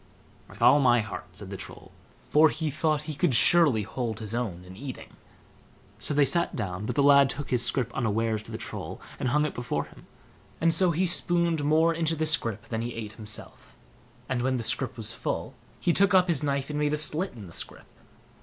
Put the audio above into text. "With all my heart", said the Troll, for he thought he could surely hold his own in eating. So they sat down; but the lad took his scrip unawares to the Troll, and hung it before him, and so he spooned more into the scrip than he ate himself; and when the scrip was full, he took up his knife and made a slit in the scrip.